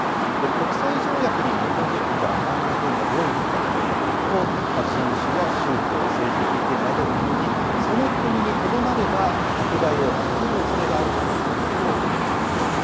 国際条約に基づく、じゃあ、難民というのはどういう人たちなのかというと、人種や宗教、政治的意見などを理由に、その国にとどまれば、迫害を受けるおそれがある人たちのことをいいますね。